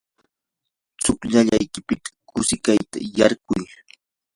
tsukllaykipita qusaykita qarquy.